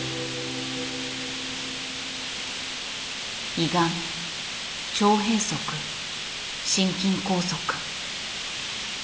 胃がん腸閉塞心筋梗塞。